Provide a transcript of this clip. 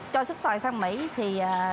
cho xuất xoài sang mỹ thì